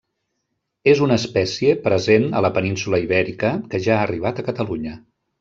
És una espècie present a la península Ibèrica que ja ha arribat a Catalunya.